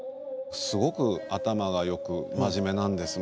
すごく頭がよく真面目なんです。